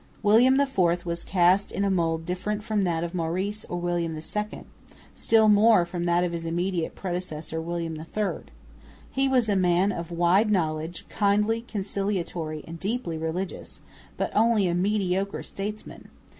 William IV was cast in a mould different from that of Maurice or William II, still more from that of his immediate predecessor William III. He was a man of wide knowledge, kindly, conciliatory, and deeply religious, but only a mediocre statesman.